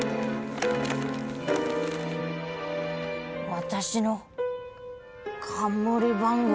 私の冠番組。